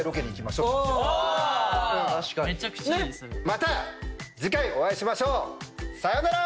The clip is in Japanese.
また次回お会いしましょう！さようなら！